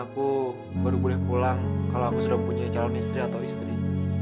aku baru boleh pulang kalau aku sudah punya calon istri atau istri